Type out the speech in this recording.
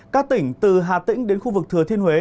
các tỉnh từ hà tĩnh đến khu vực thừa thiên huế